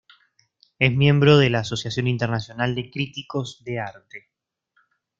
Es miembro de la Asociación Internacional de Críticos de Arte.